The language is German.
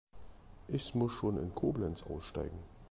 Ich muss schon in Koblenz aussteigen